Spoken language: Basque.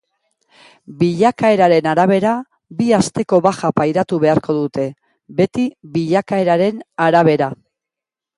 Bilakaeraren arabera bi asteko baja pairatu beharko dute, beti bilakaeraren arabera.